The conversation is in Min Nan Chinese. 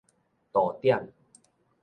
逗點